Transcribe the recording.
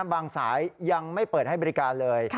สายยังไม่เปิดให้บริการเลย